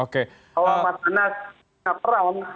kalau mas anas tidak pernah